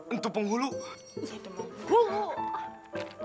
untuk penghulu saya teman